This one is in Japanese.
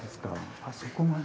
そこまで。